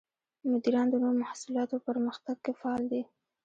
مدیران د نوو محصولاتو په پرمختګ کې فعال دي.